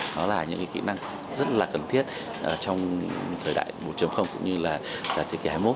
đó là những kỹ năng rất là cần thiết trong thời đại bốn cũng như là cả thế kỷ hai mươi một